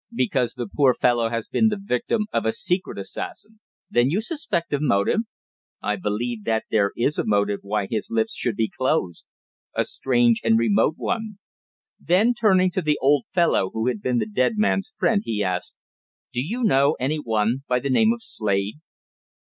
"Because the poor fellow has been the victim of a secret assassin." "Then you suspect a motive?" "I believe that there is a motive why his lips should be closed a strange and remote one." Then, turning to the old fellow who had been the dead man's friend, he asked: "Do you know anyone by the name of Slade?"